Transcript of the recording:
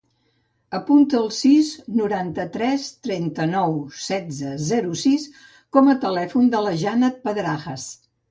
Apunta el sis, noranta-tres, trenta-nou, setze, zero, sis com a telèfon de la Jannat Pedrajas.